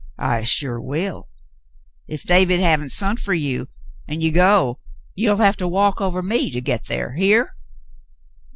"I sure will. If David haven't sont fer ye, an' ye go, ye'll have to walk ovah me to get thar, hear ?"